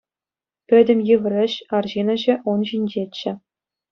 Пӗтӗм йывӑр ĕç, арҫын ĕçĕ, ун ҫинчеччӗ.